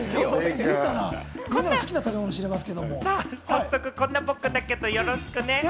早速、こんな僕だけどよろしくね。